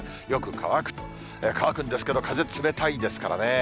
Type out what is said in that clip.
乾くんですけど、風冷たいですからね。